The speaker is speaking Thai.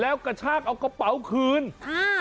แล้วกระชากเอากระเป๋าคืนค่ะ